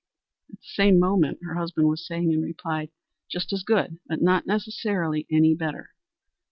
At the same moment her husband was saying in reply, "Just as good, but not necessarily any better.